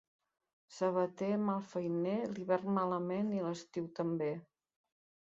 Sabater malfeiner, l'hivern malament i l'estiu també.